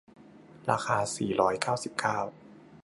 ราคา สี่ร้อยเก้าสิบเก้า